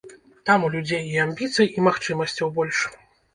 Там у людзей і амбіцый і магчымасцяў больш.